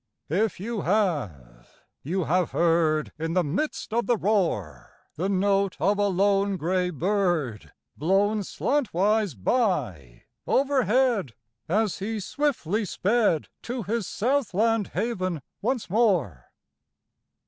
If you have, you have heard In the midst of the roar, The note of a lone gray bird, Blown slantwise by overhead As he swiftly sped To his south land haven once more